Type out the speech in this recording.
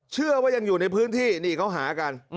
เชื่อว่ายังอยู่ในพื้นที่นี่เขาหากัน